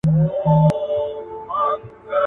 د داستاني اثر څېړل ډېر ارزښت لري.